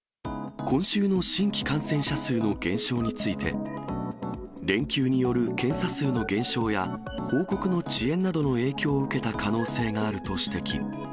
今週の新規感染者数の減少について、連休による検査数の減少や、報告の遅延などの影響を受けた可能性があると指摘。